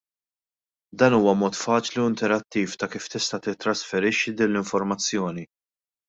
Dan huwa mod faċli u interattiv ta' kif tista titrasferixxi din l-informazzjoni.